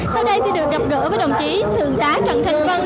sau đây xin được gặp gỡ với đồng chí thường tá trần thành vân